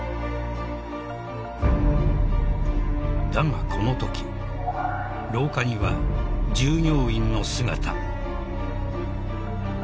［だがこのとき廊下には従業員の姿］